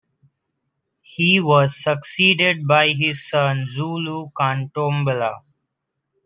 He was succeeded by his son Zulu kaNtombela.